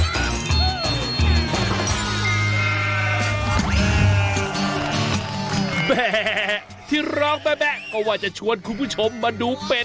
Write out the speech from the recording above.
แหมที่ร้องแบ๊ะก็ว่าจะชวนคุณผู้ชมมาดูเป็ด